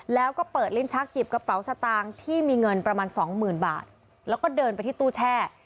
แล้วก็เปิดลิ้นชักหยิบกระเป๋าสตางค์ที่มีเงินประมาณสองหมื่นบาทแล้วก็เดินไปที่ตู้แช่